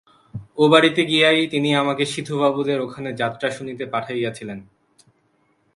ও বাড়িতে গিয়াই তিনি আমাকে সিধুবাবুদের ওখানে যাত্রা শুনিতে পাঠাইয়াছিলেন।